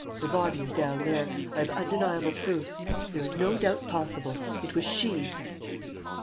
Her body is down there. I have undeniable proofs. There is no doubt possible. It was she.